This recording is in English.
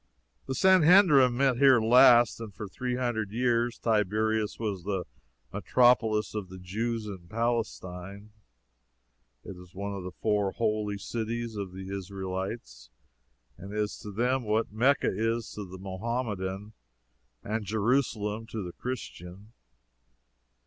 The Sanhedrim met here last, and for three hundred years Tiberias was the metropolis of the Jews in Palestine. It is one of the four holy cities of the Israelites, and is to them what Mecca is to the Mohammedan and Jerusalem to the Christian.